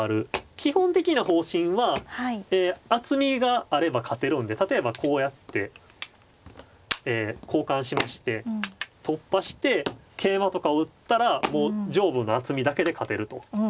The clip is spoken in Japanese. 基本的な方針は厚みがあれば勝てるんで例えばこうやって交換しまして突破して桂馬とかを打ったらもう上部の厚みだけで勝てると。